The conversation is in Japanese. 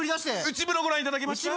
内風呂ご覧いただきました？